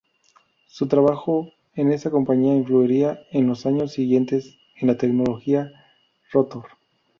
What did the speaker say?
Su trabajo en esta compañía influiría en los años siguientes en la tecnología rotor.